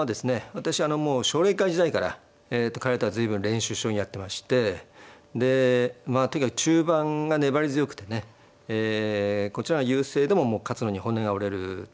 私もう奨励会時代から彼とは随分練習将棋やってましてでまあとにかく中盤が粘り強くてねこちらが優勢でも勝つのに骨が折れるという感じがしますね。